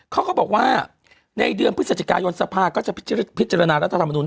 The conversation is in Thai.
เขาก็บอกว่าในเดือนพฤศจิกายนสภาก็จะพิจารณารัฐธรรมนุน